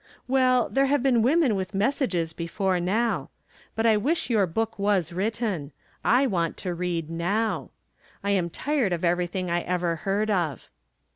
Well, there have been women with messages be fore now. But I wish your book was AATitten. I want it to read now. I am tired of everything I ever heard of.